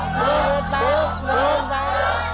เกล็ดใด